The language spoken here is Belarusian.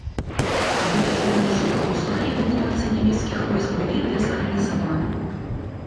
Работа чыгуначнага вузла і эвакуацыя нямецкіх войск былі дэзарганізаваны.